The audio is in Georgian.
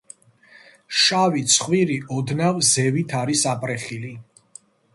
შავი ცხვირი ოდნავ ზევით არის აპრეხილი.